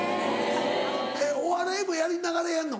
お笑いもやりながらやんの？